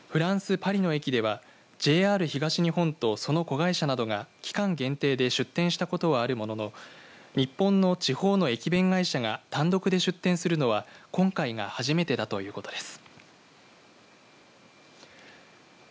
パリの駅ではＪＲ東日本と、その子会社などが期間限定で出店したことはあるものの日本の地方の駅弁会社が単独で出店するのは今回が初めてだということです。